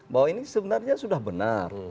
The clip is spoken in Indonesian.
bahwa ini sebenarnya sudah benar